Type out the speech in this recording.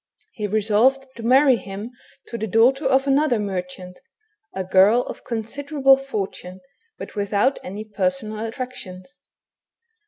He resolved to marry him to the daughter of another merchant, a girl of considerable fortune, but without any personal attractions.